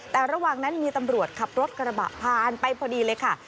แต่ระหว่างนั้นมีตำรวจขับรถกระบะผ่านไปพอดีเลยค่ะ